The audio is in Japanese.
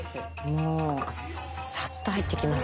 もうさっと入っていきます。